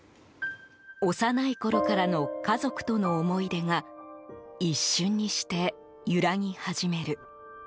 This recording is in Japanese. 幼いころからの家族との思い出が一瞬にして揺らぎ始める。